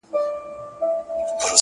راته مه راکوه زېری د ګلونو د ګېډیو-